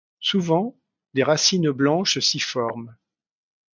Souvent, des racines blanches s'y forment.